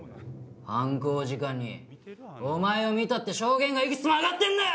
犯行時間にお前を見たって証言がいくつも挙がってんだよ！